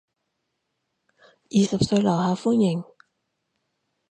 廿歲樓下歡迎